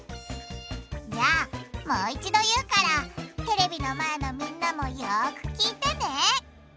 じゃあもう一度言うからテレビの前のみんなもよく聞いてね！